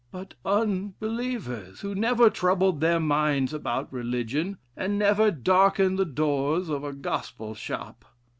but unbelievers, who never troubled their minds about religion, and never darkened the doors of a gospel shop?